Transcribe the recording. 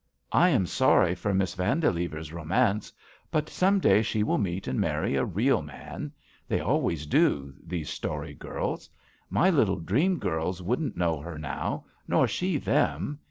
I am sorry for Miss Vandilever's romance, but some day she will meet and marry a real man. They always do— ^these story girls. My little dream girls wouldn't know her now, nor she them.